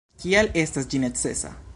Kial estas ĝi necesa.